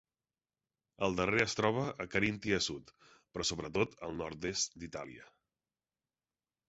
El darrer es troba a Carinthia sud, però sobretot al nord-est d'Itàlia.